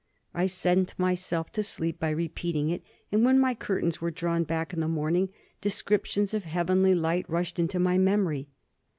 I sent myself to sleep by repeating it, and when my curtains were drawn back in the morning, descriptions of heavenly light rushed into my memory."